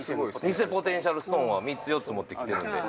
偽ポテンシャルストーンは３つ４つ持って来てるんで。